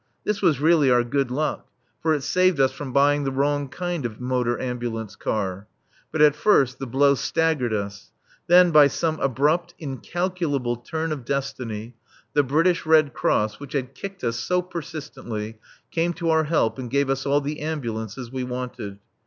This was really our good luck, for it saved us from buying the wrong kind of motor ambulance car. But at first the blow staggered us. Then, by some abrupt, incalculable turn of destiny, the British Red Cross, which had kicked us so persistently, came to our help and gave us all the ambulances we wanted.